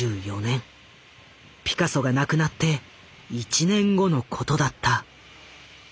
ピカソが亡くなって１年後のことだった。